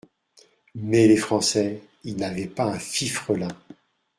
Mais les Français, ils n’avaient pas un fifrelin !